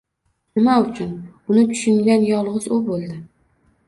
Nima uchun? Uni tushungan yolg'iz u bo'ldi.